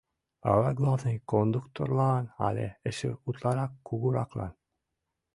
Ала главный кондукторлан, але эше утларак кугураклан.